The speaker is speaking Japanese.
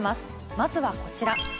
まずはこちら。